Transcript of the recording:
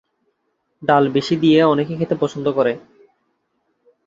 ডাল বেশি দিয়ে অনেকে খেতে পছন্দ করে।